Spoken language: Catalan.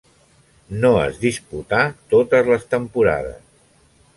No es disputà totes les temporades.